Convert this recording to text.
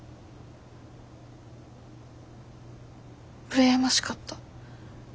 羨ましかった。